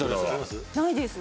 ないです。